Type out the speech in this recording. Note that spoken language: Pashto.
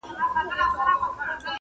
o ته مي بزې وهه، زه به دي روژې وهم٫